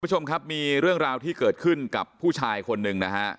คุณผู้ชมครับมีเรื่องราวที่เกิดขึ้นกับผู้ชายคนหนึ่งนะฮะ